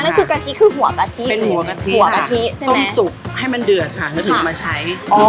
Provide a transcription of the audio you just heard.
นั่นคือกะทิคือหัวกะทิเป็นหัวกะทิหัวกะทิใช่ไหมต้มสุกให้มันเดือดค่ะแล้วถึงเอามาใช้